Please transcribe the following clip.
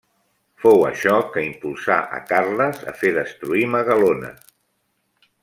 Fou això que impulsà a Carles a fer destruir Magalona.